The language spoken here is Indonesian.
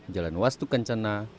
jalan wastu kencana